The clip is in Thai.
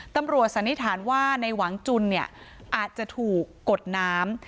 สันนิษฐานว่าในหวังจุนเนี่ยอาจจะถูกกดน้ำ